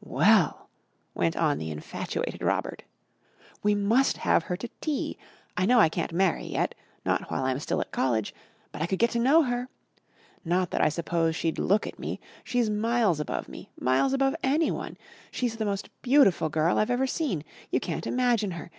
"Well," went on the infatuated Robert, "we must have her to tea. I know I can't marry yet not while I'm still at college but I could get to know her. Not that I suppose she'd look at me. She's miles above me miles above anyone. She's the most beautiful girl I've ever seen. You can't imagine her.